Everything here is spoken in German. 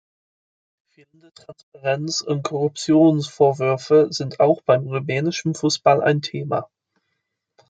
Fehlende Transparenz und Korruptionsvorwürfe sind auch beim rumänischen Fußball ein Thema.